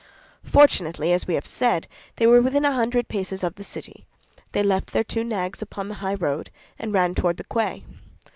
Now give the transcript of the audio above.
Fortunately, as we have said, they were within a hundred paces of the city; they left their two nags upon the high road, and ran toward the quay.